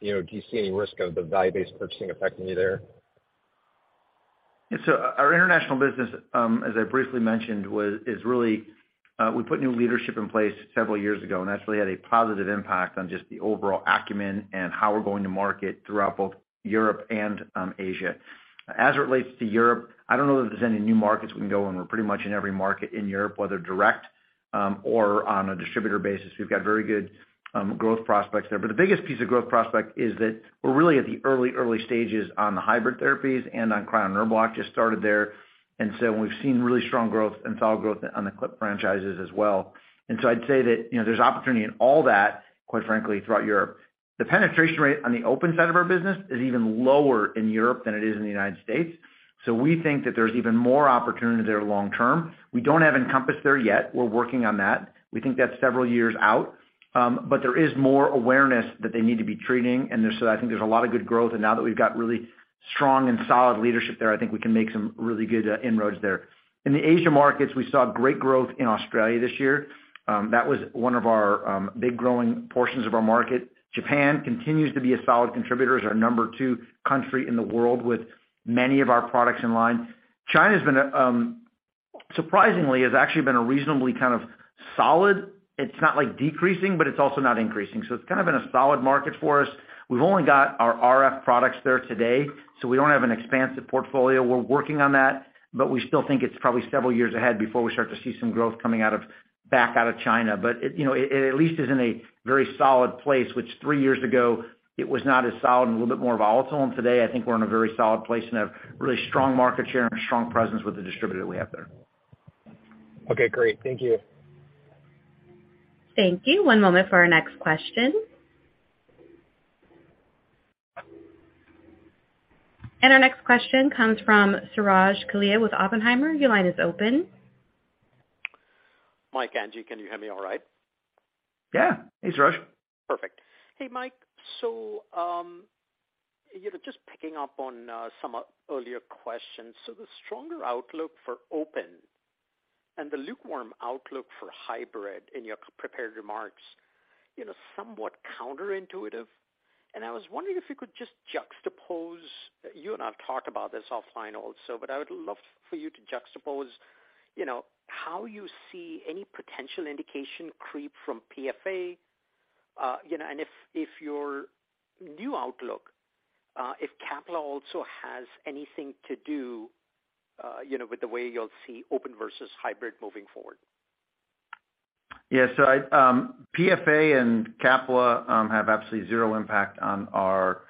you know, do you see any risk of the value-based purchasing affecting you there? Yeah. Our international business, as I briefly mentioned, is really, we put new leadership in place several years ago, and that's really had a positive impact on just the overall acumen and how we're going to market throughout both Europe and Asia. As it relates to Europe, I don't know that there's any new markets we can go in. We're pretty much in every market in Europe, whether direct or on a distributor basis. We've got very good growth prospects there. The biggest piece of growth prospect is that we're really at the early stages on the hybrid therapies and on Cryo Nerve Block just started there. We've seen really strong growth and solid growth on the clip franchises as well. I'd say that, you know, there's opportunity in all that, quite frankly, throughout Europe. The penetration rate on the open side of our business is even lower in Europe than it is in the United States. We think that there's even more opportunity there long term. We don't have EnCompass there yet. We're working on that. We think that's several years out. There is more awareness that they need to be treating. I think there's a lot of good growth. Now that we've got really strong and solid leadership there, I think we can make some really good inroads there. In the Asia markets, we saw great growth in Australia this year. That was one of our big growing portions of our market. Japan continues to be a solid contributor as our number two country in the world with many of our products in line. China's been a, surprisingly, has actually been a reasonably kind of solid. It's not like decreasing, but it's also not increasing, so it's kind of been a solid market for us. We've only got our RF products there today, so we don't have an expansive portfolio. We're working on that, but we still think it's probably several years ahead before we start to see some growth coming back out of China. It, you know, it at least is in a very solid place, which three years ago it was not as solid and a little bit more volatile. Today, I think we're in a very solid place and have really strong market share and a strong presence with the distributor that we have there. Okay, great. Thank you. Thank you. One moment for our next question. Our next question comes from Suraj Kalia with Oppenheimer. Your line is open. Mike, Angie, can you hear me all right? Yeah. Hey, Suraj. Perfect. Hey, Mike. You know, just picking up on earlier questions. The stronger outlook for open and the lukewarm outlook for hybrid in your prepared remarks, you know, somewhat counterintuitive. I was wondering if you could just juxtapose... You and I have talked about this offline also, but I would love for you to juxtapose, you know, how you see any potential indication creep from PFA, you know, and if your new outlook, if CAPLA also has anything to do, you know, with the way you'll see open versus hybrid moving forward. I, PFA and CAPLA, have absolutely zero impact on our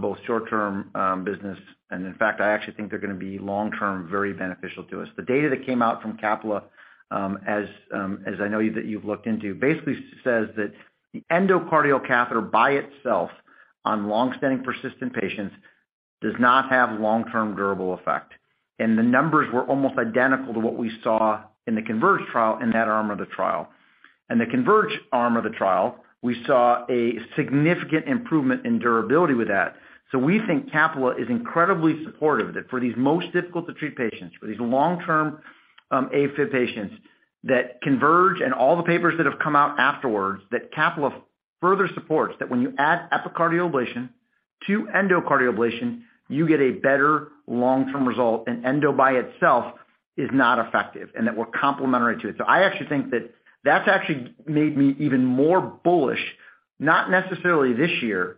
both short-term business, and in fact, I actually think they're gonna be long-term very beneficial to us. The data that came out from CAPLA, as I know you that you've looked into, basically says that the endocardial catheter by itself on long-standing persistent patients does not have long-term durable effect. The numbers were almost identical to what we saw in the CONVERGE trial in that arm of the trial. In the CONVERGE arm of the trial, we saw a significant improvement in durability with that. We think CAPLA is incredibly supportive that for these most difficult to treat patients, for these long-term, AFib patients that CONVERGE and all the papers that have come out afterwards, that CAPLA further supports that when you add epicardial ablation to endocardial ablation, you get a better long-term result, and endo by itself is not effective and that we're complementary to it. I actually think that that's actually made me even more bullish, not necessarily this year,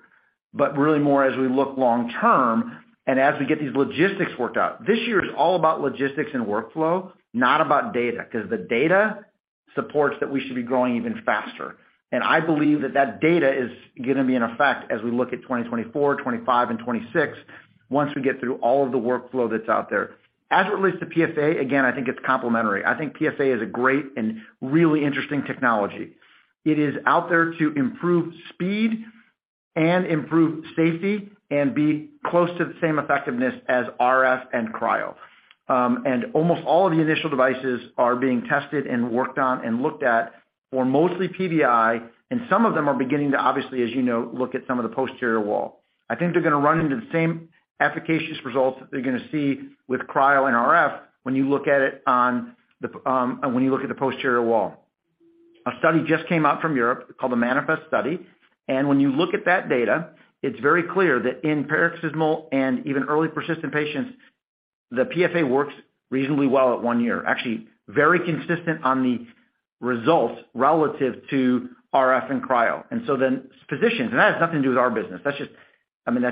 but really more as we look long term and as we get these logistics worked out. This year is all about logistics and workflow, not about data, 'cause the data supports that we should be growing even faster. I believe that that data is gonna be in effect as we look at 2024, 2025, and 2026, once we get through all of the workflow that's out there. As it relates to PFA, again, I think it's complementary. I think PFA is a great and really interesting technology. It is out there to improve speed and improve safety and be close to the same effectiveness as RF and cryo. Almost all of the initial devices are being tested and worked on and looked at for mostly PVI, and some of them are beginning to, obviously, as you know, look at some of the posterior wall. I think they're gonna run into the same efficacious results that they're gonna see with cryo RF when you look at it on the, when you look at the posterior wall. A study just came out from Europe called the MANIFEST-PF Study, and when you look at that data, it's very clear that in paroxysmal and even early persistent patients, the PFA works reasonably well at one year. Actually, very consistent on the results relative to RF and cryo. Then physicians... That has nothing to do with our business. I mean,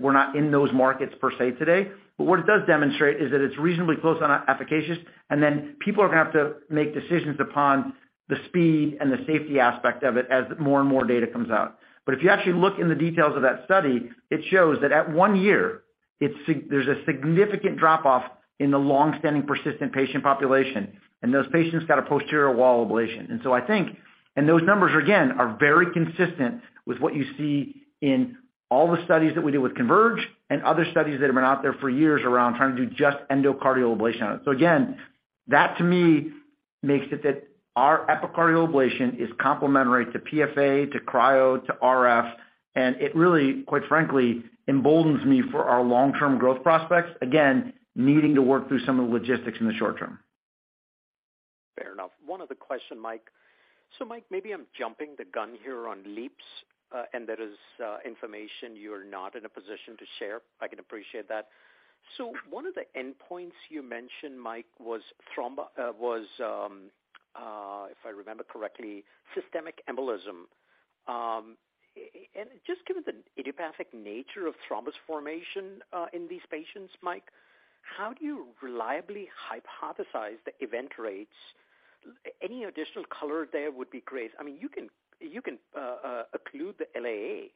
we're not in those markets per se today. What it does demonstrate is that it's reasonably close on efficacious, and then people are gonna have to make decisions upon the speed and the safety aspect of it as more and more data comes out. If you actually look in the details of that study, it shows that at one year, there's a significant drop-off in the long-standing persistent patient population, and those patients got a posterior wall ablation. I think. Those numbers, again, are very consistent with what you see in all the studies that we do with CONVERGE and other studies that have been out there for years around trying to do just endocardial ablation on it. Again, that to me makes it that our epicardial ablation is complementary to PFA, to cryo, to RF, and it really, quite frankly, emboldens me for our long-term growth prospects, again, needing to work through some of the logistics in the short term. Fair enough. One other question, Mike. Mike, maybe I'm jumping the gun here on LEAPS, and that is information you're not in a position to share. I can appreciate that. One of the endpoints you mentioned, Mike, was if I remember correctly, systemic embolism. And just given the idiopathic nature of thrombus formation in these patients, Mike, how do you reliably hypothesize the event rates? Any additional color there would be great. I mean, you can occlude the LAA.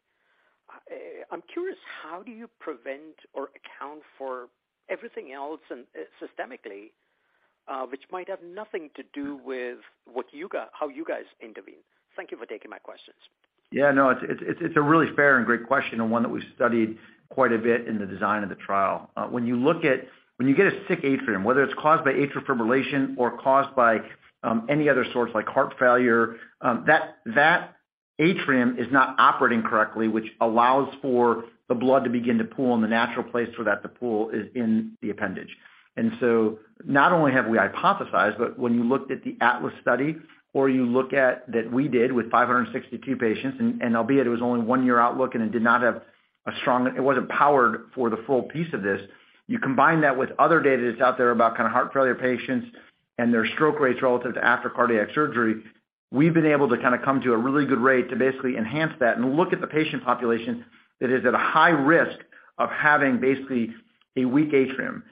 I'm curious, how do you prevent or account for everything else and, systemically, which might have nothing to do with how you guys intervene? Thank you for taking my questions. Yeah, no, it's a really fair and great question and one that we studied quite a bit in the design of the trial. When you look at when you get a sick atrium, whether it's caused by atrial fibrillation or caused by any other source like heart failure, that atrium is not operating correctly, which allows for the blood to begin to pool, and the natural place for that to pool is in the appendage. Not only have we hypothesized, but when you looked at the ATLAS study or you look at that we did with 562 patients, and albeit it was only 1-year outlook and it did not have a strong. It wasn't powered for the full piece of this. You combine that with other data that's out there about kinda heart failure patients and their stroke rates relative to after cardiac surgery. We've been able to kinda come to a really good rate to basically enhance that and look at the patient population that is at a high risk of having basically a weak atrium,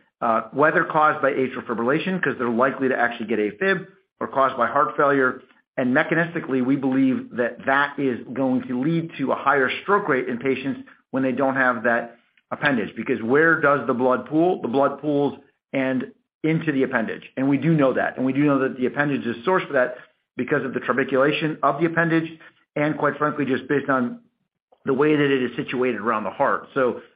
whether caused by atrial fibrillation, 'cause they're likely to actually get AFib or caused by heart failure. Mechanistically, we believe that that is going to lead to a higher stroke rate in patients when they don't have that appendage. Because where does the blood pool? The blood pools and into the appendage. We do know that the appendage is source for that because of the tribulation of the appendage and quite frankly, just based on the way that it is situated around the heart.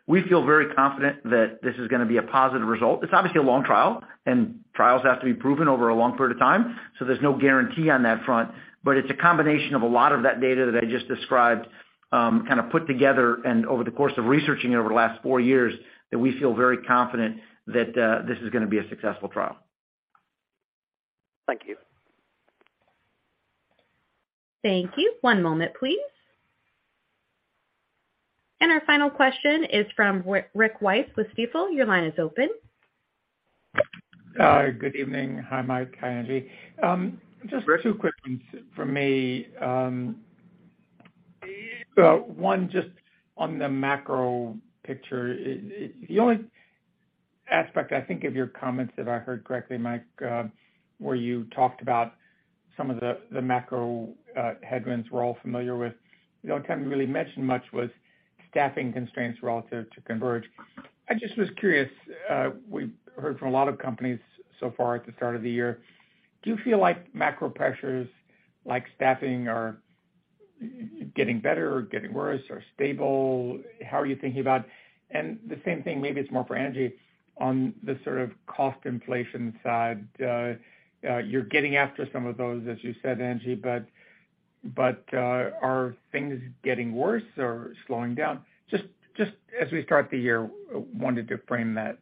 We feel very confident that this is gonna be a positive result. It's obviously a long trial, and trials have to be proven over a long period of time, so there's no guarantee on that front. It's a combination of a lot of that data that I just described, kinda put together and over the course of researching it over the last four years that we feel very confident that this is gonna be a successful trial. Thank you. Thank you. One moment, please. Our final question is from Rick Wise with Stifel. Your line is open. Good evening. Hi, Mike. Hi, Angie. Just two quick things from me. One, just on the macro picture. The only aspect I think of your comments that I heard correctly, Mike, where you talked about some of the macro headwinds we're all familiar with, you know, kind of really mentioned much was staffing constraints relative to CONVERGE. I just was curious, we've heard from a lot of companies so far at the start of the year. Do you feel like macro pressures like staffing are getting better or getting worse or stable? How are you thinking about... The same thing, maybe it's more for Angie on the sort of cost inflation side. You're getting after some of those, as you said, Angie, but, are things getting worse or slowing down? Just as we start the year, wanted to frame that.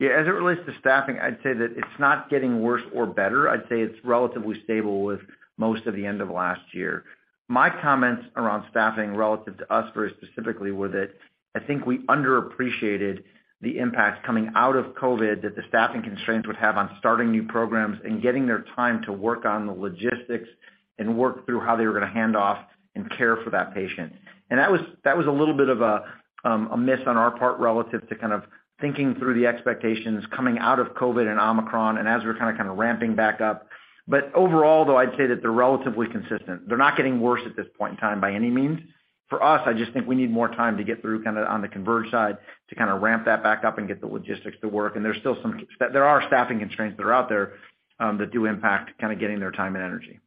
As it relates to staffing, I'd say that it's not getting worse or better. I'd say it's relatively stable with most of the end of last year. My comments around staffing relative to us very specifically were that I think we underappreciated the impact coming out of COVID that the staffing constraints would have on starting new programs and getting their time to work on the logistics and work through how they were gonna hand off and care for that patient. And that was, that was a little bit of a miss on our part relative to kind of thinking through the expectations coming out of COVID and Omicron and as we're kinda ramping back up. Overall, though, I'd say that they're relatively consistent. They're not getting worse at this point in time by any means. For us, I just think we need more time to get through kinda on the CONVERGE side to kinda ramp that back up and get the logistics to work. There are staffing constraints that are out there, that do impact kinda getting their time and energy.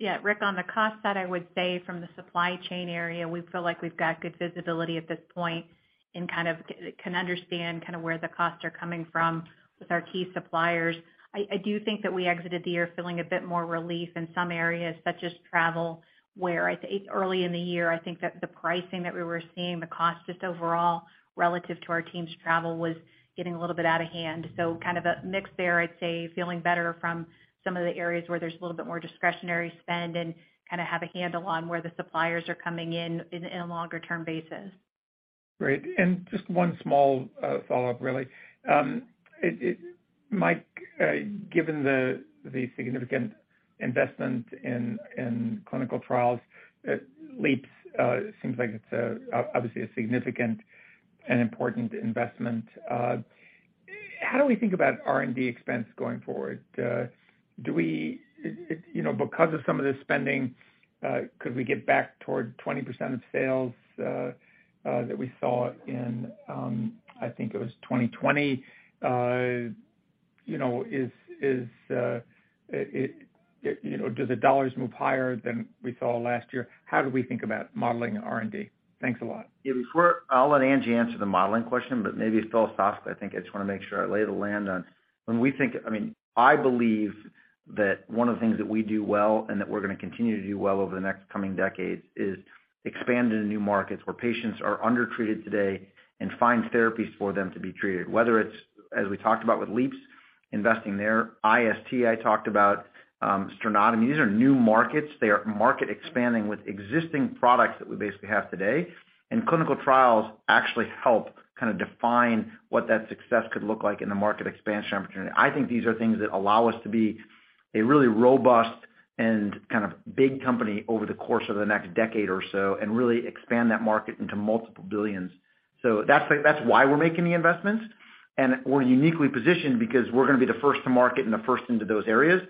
Yeah. Rick, on the cost side, I would say from the supply chain area, we feel like we've got good visibility at this point and kind of can understand kind of where the costs are coming from with our key suppliers. I do think that we exited the year feeling a bit more relief in some areas such as travel, where I think early in the year, I think that the pricing that we were seeing, the cost just overall relative to our team's travel was getting a little bit out of hand. Kind of a mix there. I'd say feeling better from some of the areas where there's a little bit more discretionary spend and kind of have a handle on where the suppliers are coming in a longer-term basis. Great. Just one small follow-up, really. Mike, given the significant investment in clinical trials, LEAPS seems like it's obviously a significant and important investment. How do we think about R&D expense going forward? You know, because of some of the spending, could we get back toward 20% of sales that we saw in I think it was 2020? You know, do the dollars move higher than we saw last year? How do we think about modeling R&D? Thanks a lot. Yeah, before I'll let Angie answer the modeling question, but maybe philosophically, I think I just wanna make sure I lay the land on. When we think, I mean, I believe that one of the things that we do well and that we're gonna continue to do well over the next coming decades is expand into new markets where patients are undertreated today and find therapies for them to be treated. Whether it's, as we talked about with LEAPS, investing there, IST, I talked about, sternotomy. These are new markets. They are market expanding with existing products that we basically have today. Clinical trials actually help kind of define what that success could look like in the market expansion opportunity. I think these are things that allow us to be a really robust and kind of big company over the course of the next decade or so and really expand that market into multiple billions. That's why we're making the investments. We're uniquely positioned because we're gonna be the first to market and the first into those areas.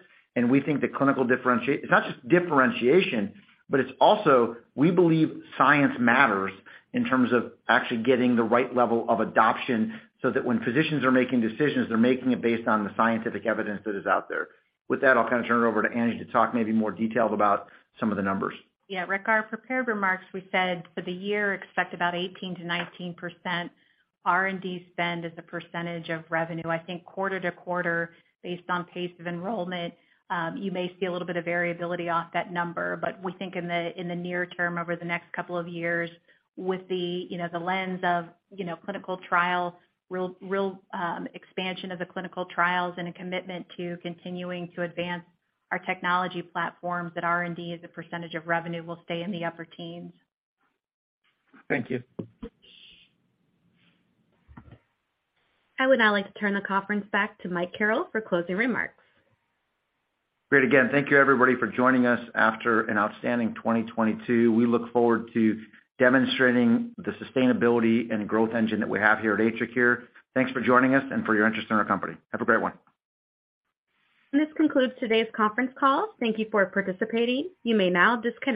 We think the clinical differentiation, it's not just differentiation, but it's also, we believe science matters in terms of actually getting the right level of adoption so that when physicians are making decisions, they're making it based on the scientific evidence that is out there. With that, I'll kind of turn it over to Angie to talk maybe more detailed about some of the numbers. Yeah, Rick, our prepared remarks, we said for the year, expect about 18%-19% R&D spend as a percentage of revenue. I think quarter to quarter, based on pace of enrollment, you may see a little bit of variability off that number. We think in the near term, over the next couple of years with the, you know, the lens of, you know, clinical trial, real expansion of the clinical trials and a commitment to continuing to advance our technology platforms at R&D as a percentage of revenue will stay in the upper teens. Thank you. I would now like to turn the conference back to Michael Carrel for closing remarks. Great. Thank you everybody for joining us after an outstanding 2022. We look forward to demonstrating the sustainability and growth engine that we have here at AtriCure. Thanks for joining us and for your interest in our company. Have a great one. This concludes today's conference call. Thank you for participating. You may now disconnect.